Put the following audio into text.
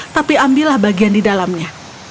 tapi ambillah bagian di dalamnya